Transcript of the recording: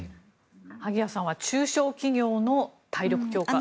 萩谷さんは中小企業の体力強化。